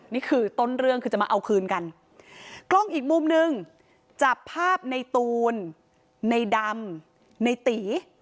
นี่คือต้นเรื่องคือจะมาเอาคืนกันกล้องอีกมุมนึงจับภาพในตูนในดำในตี